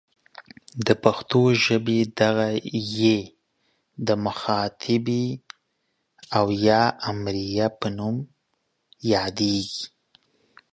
د پښتو ژبې دغه ئ د مخاطبې او یا امریه په نوم یادیږي.